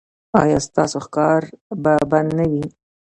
ایا ستاسو ښکار به بند نه وي؟